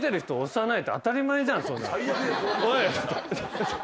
おい！